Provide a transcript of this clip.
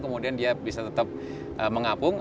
kemudian dia bisa tetap mengapung